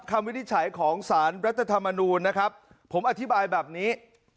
คำวิทย์ไฉของศาลรัฐธรรมนูญนะครับผมอธิบายแบบนี้